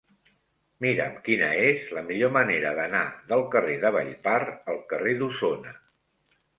Mira'm quina és la millor manera d'anar del carrer de Vallpar al carrer d'Osona.